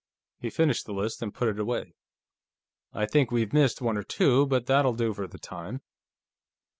He finished the list and put it away. "I think we've missed one or two, but that'll do, for the time."